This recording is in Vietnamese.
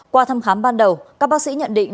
qua thăm khám ban đầu các bác sĩ nhận định